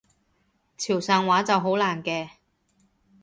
潮汕話就好難嘅